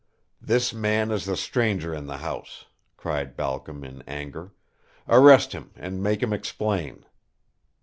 "This man is the stranger in the house," cried Balcom, in anger. "Arrest him and make him explain."